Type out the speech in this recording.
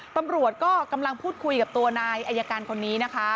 ตำรวจก็กำลังพูดคุยกับตัวนายอายการคนนี้นะคะ